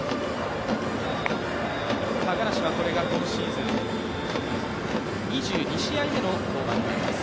高梨はこれが今シーズン２２試合目の登板になります。